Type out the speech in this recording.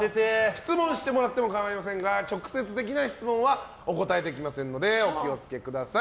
質問してもらっても構いませんが直接的な質問はお答えできませんのでお気を付けください。